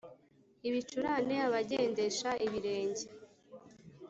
ibicurane Abagendesha ibirenge